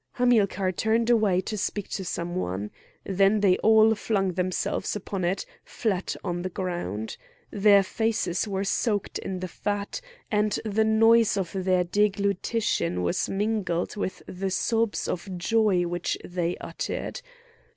Hamilcar turned away to speak to some one. Then they all flung themselves upon it, flat on the ground. Their faces were soaked in the fat, and the noise of their deglutition was mingled with the sobs of joy which they uttered.